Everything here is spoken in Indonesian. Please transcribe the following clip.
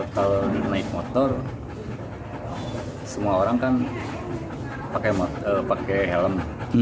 kalau naik motor semua orang kan pakai helm